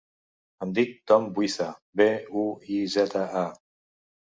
Em dic Ton Buiza: be, u, i, zeta, a.